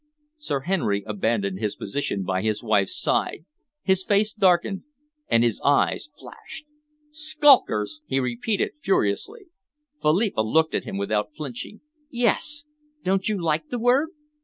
Sir Henry abandoned his position by his wife's side, His face darkened and his eyes flashed. "Skulkers?" he repeated furiously. Philippa looked at him without flinching. "Yes! Don't you like the word?"